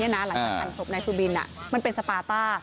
หลังจากหั่นศพนายสุบินมันเป็นสปาต้า